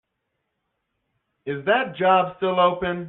Is that job still open?